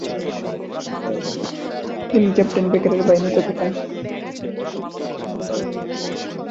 তিনি ক্যাপ্টেন বেকারের বাহিনীতে থাকেন।